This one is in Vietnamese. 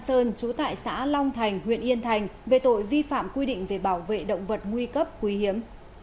sơn trú tại xã long thành huyện yên thành về tội vi phạm quy định về bảo vệ động vật nguy cấp quý hiếm